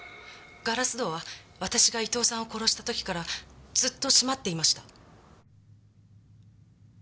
ガラス戸は私が伊東さんを殺した時からずっと閉まっていました。